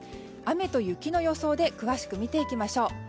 雨と雪の予想で詳しく見ていきましょう。